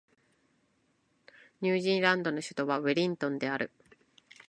ニュージーランドの首都はウェリントンである